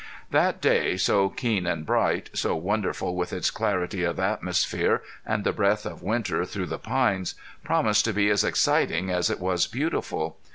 That day, so keen and bright, so wonderful with its clarity of atmosphere and the breath of winter through the pines, promised to be as exciting as it was beautiful.